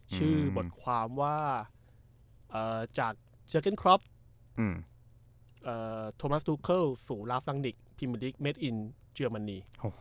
ชื่อบทความว่าจากเจเก้นครอปโทมัสทูเคิลสู่ลาฟรังนิกพิมเมอร์ดิกเมดอินเจรมนี